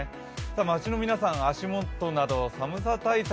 街の皆さん、足元など寒さ対策